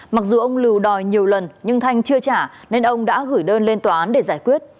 mặc dù ông lưu đòi nhiều lần nhưng thanh chưa trả nên ông đã gửi đơn lên tòa án để giải quyết